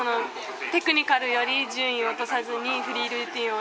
テクニカルより順位を落とさずにフリールーティンを